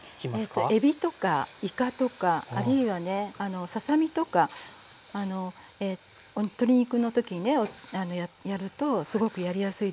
えとエビとかイカとかあるいはねささみとか鶏肉のときにねやるとすごくやりやすいです。